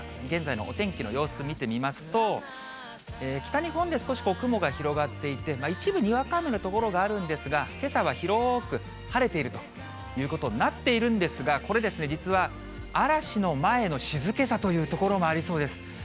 現在のお天気の様子見てみますと、北日本で少し雲が広がっていて、一部にわか雨の所があるんですが、けさは広く晴れているということになっているんですが、これ実は嵐の前の静けさというところもありそうです。